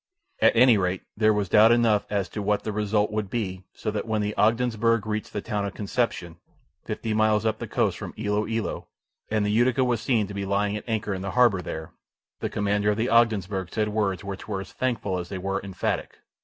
At any rate there was doubt enough as to what the result would be so that when the Ogdensburgh reached the town of Concepcion, fifty miles up the coast from Ilo Ilo, and the Utica was seen to be lying at anchor in the harbour there, the commander of the Ogdensburgh said words which were as thankful as they were emphatic.